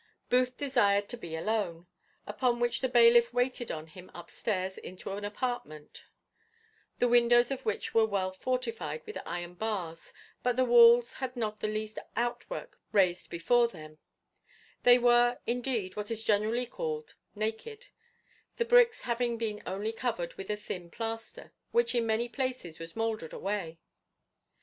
Booth desired to be alone; upon which the bailiff waited on him up stairs into an apartment, the windows of which were well fortified with iron bars, but the walls had not the least outwork raised before them; they were, indeed, what is generally called naked; the bricks having been only covered with a thin plaster, which in many places was mouldered away.